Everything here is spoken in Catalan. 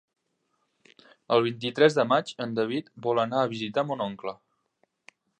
El vint-i-tres de maig en David vol anar a visitar mon oncle.